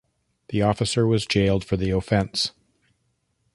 The officer was jailed for the offence.